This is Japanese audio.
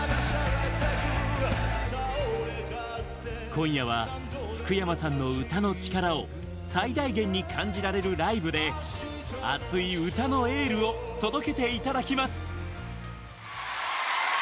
今夜は福山さんの歌の力を最大限に感じられるライブで熱い歌のエールを届けていただきます。